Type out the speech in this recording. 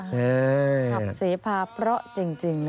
ขับเสพาเพราะจริง